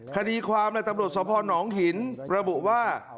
คดีความตำรวจสภหนองหินระบุว่า